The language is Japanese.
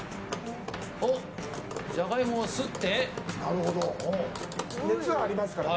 ジャガイモをすって。